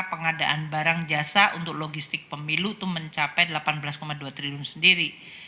pengadaan barang jasa untuk logistik pemilu itu mencapai delapan belas dua triliun sendiri